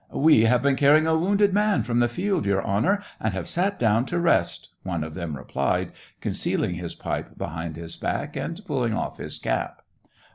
" We have been carrying a wounded man from the field, Your Honor, and have sat down to rest," one of them replied, concealing his pipe behind his back, and pulling off his cap.